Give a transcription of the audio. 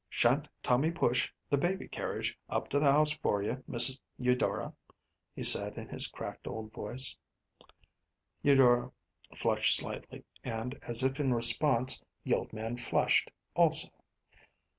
“Sha’n’t Tommy push the baby carriage up to the house for you, Miss Eudora?‚ÄĚ he said, in his cracked old voice. Eudora flushed slightly, and, as if in response, the old man flushed, also.